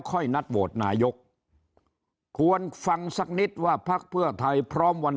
นัดโหวตนายกควรฟังสักนิดว่าพักเพื่อไทยพร้อมวัน